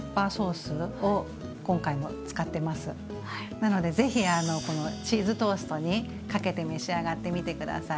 なのでぜひこのチーズトーストにかけて召し上がってみて下さい。